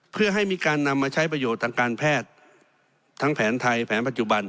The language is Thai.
เพื่อให้มีการนำมาใช้ประโยชน์ทางการแพทย์ทั้งแผนไทยแผนปัจจุบัน